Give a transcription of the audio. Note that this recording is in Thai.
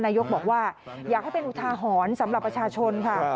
นายกบอกว่าอยากให้เป็นอุทาหรณ์สำหรับประชาชนค่ะ